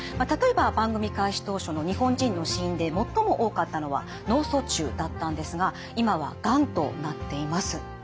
例えば番組開始当初の日本人の死因で最も多かったのは脳卒中だったんですが今はがんとなっています。